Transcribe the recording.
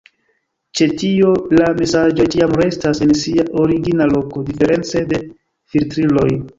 Ĉe tio la mesaĝoj ĉiam restas en sia origina loko, diference de filtriloj.